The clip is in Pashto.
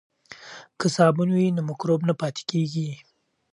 که صابون وي نو مکروب نه پاتې کیږي.